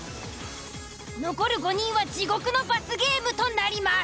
残る５人は地獄の罰ゲームとなります。